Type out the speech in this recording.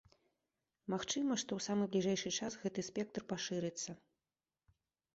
Магчыма, што ў самы бліжэйшы час гэты спектр пашырыцца.